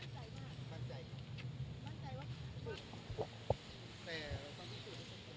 ช้านรอเตอรี่